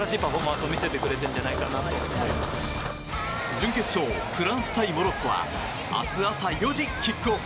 準決勝、フランス対モロッコは明日朝４時キックオフ。